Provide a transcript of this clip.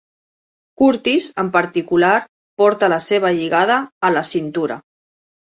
Curtis, en particular, porta la seva lligada a la cintura.